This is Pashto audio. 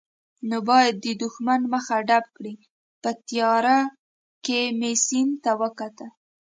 نو باید د دښمن مخه ډب کړي، په تیارې کې مې سیند ته وکتل.